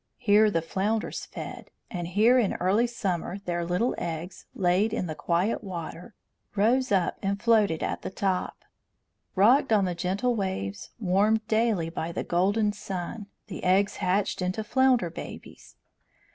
Here the flounders fed, and here in early summer their little eggs, laid in the quiet water, rose up and floated at the top. Rocked on the gentle waves, warmed daily by the golden sun, the eggs hatched into flounder babies.